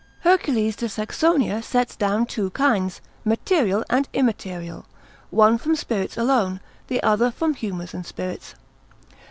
Hercules de Saxonia sets down two kinds, material and immaterial; one from spirits alone, the other from humours and spirits.